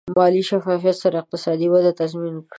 مالي شفافیت سره اقتصادي وده تضمین کړئ.